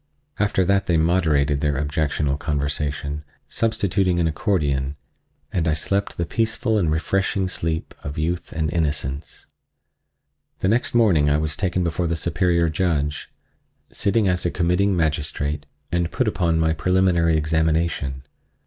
After that they moderated their objectionable conversation, substituting an accordion, and I slept the peaceful and refreshing sleep of youth and innocence. The next morning I was taken before the Superior Judge, sitting as a committing magistrate, and put upon my preliminary examination.